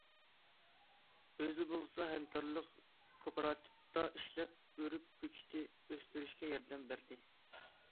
ئۆزى بولسا ھەمكارلىق كوپىراتىپىدا ئىشلەپ، ئۆرۈك كۆچىتى ئۆستۈرۈشكە ياردەم بەردى.